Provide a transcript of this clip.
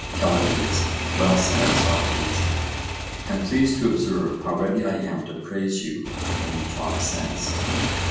CALLICLES: Well said, Socrates; and please to observe how ready I am to praise you when you talk sense.